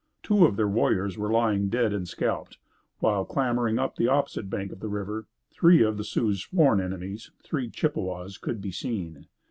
Two of their warriors were lying dead and scalped, while clambering up the opposite bank of the river, three of the Sioux's sworn enemies, three Chippewas, could be seen.